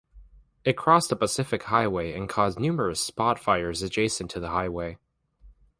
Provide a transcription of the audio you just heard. It crossed the Pacific Highway and caused numerous spot fires adjacent to the Highway.